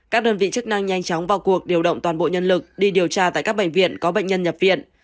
các đơn vị chức năng nhanh chóng vào cuộc điều động toàn bộ nhân lực đi điều tra tại các bệnh viện có bệnh nhân nhập viện